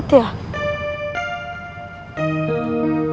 teh itu gak mana sih